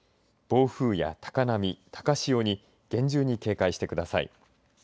暴風や高波高潮に厳重に警戒してください。